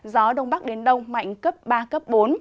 gió đông bắc đến đông mạnh cấp ba bốn